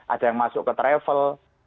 ada yang masuk ke travel